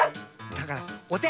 だからおて！